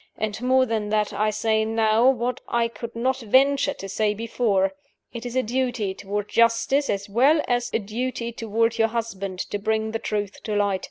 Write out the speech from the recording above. And, more than that, I say now, what I could not venture to say before it is a duty toward Justice, as well as a duty toward your husband, to bring the truth to light.